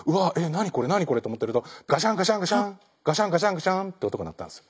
何これ何これって思ってるとガシャンガシャンガシャンガシャンガシャンガシャンって音が鳴ったんですよ。